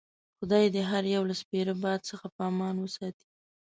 خدای دې هر یو له سپیره باد څخه په امان وساتي.